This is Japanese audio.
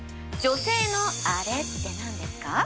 女性のあれって何ですか？